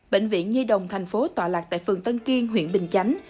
bệnh viện nhi đồng tp tọa lạc tại phường tân kiên huyện bình chánh